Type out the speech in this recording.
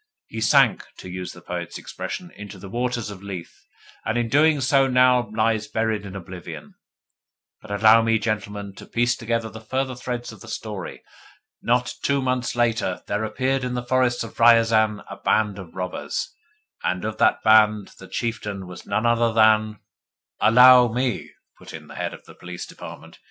He sank, to use the poet's expression, into the waters of Lethe, and his doings now lie buried in oblivion. But allow me, gentlemen, to piece together the further threads of the story. Not two months later there appeared in the forests of Riazan a band of robbers: and of that band the chieftain was none other than " "Allow me," put in the Head of the Police Department.